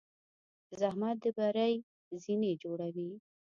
زحمت د بری زینې جوړوي.